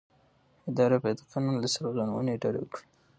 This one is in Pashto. اداره باید د قانون له سرغړونې ډډه وکړي.